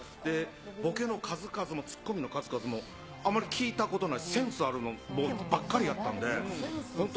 ボケの数々も、ツッコミの数々も、あまり聞いたことないセンスあるもんばっかりだったんで、本当、